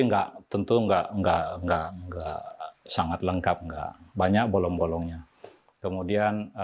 enggak tentu enggak enggak enggak enggak sangat lengkap enggak banyak bolong bolongnya kemudian